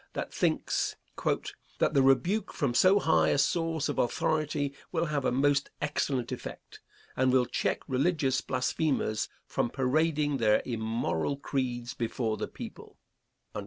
that thinks "that the rebuke from so high a source of authority will have a most excellent effect, and will check religious blasphemers from parading their immoral creeds before the people."